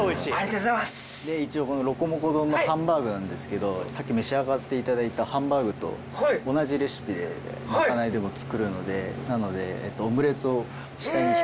で一応このロコモコ丼のハンバーグなんですけどさっき召し上がって頂いたハンバーグと同じレシピでまかないでも作るので。